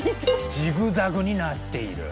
ジグザグになっている。